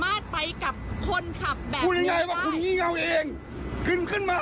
เอาเทปนั้นเดี๋ยวนะถามจิตตากสินสองสิบเก้าแค่นั้นเองพอโทร